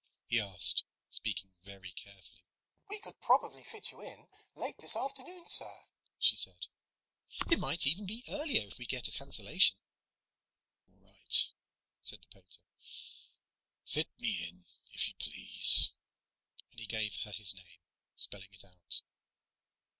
he asked, speaking very carefully. "We could probably fit you in late this afternoon, sir," she said. "It might even be earlier, if we get a cancellation." "All right," said the painter, "fit me in, if you please." And he gave her his name, spelling it out.